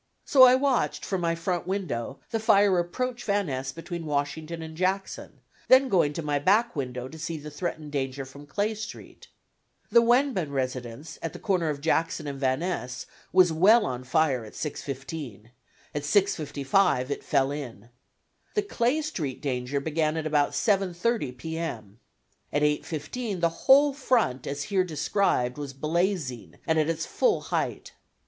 So I watched from my front window, the fire approach Van Ness between Washington and Jackson, then going to my back window to see the threatened danger from Clay Street. The Wenban residence, at the corner of Jackson and Van Ness, was well on fire at 6:15; at 6:55 it fell in. The Clay Street danger began at about 7:30 P. M.. At 8:15 the whole front as here described was blazing and at its full height.